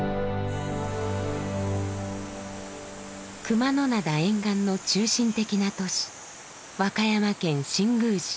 熊野灘沿岸の中心的な都市和歌山県新宮市。